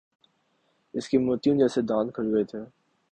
اس کے موتیوں جیسے دانت کھل گئے تھے۔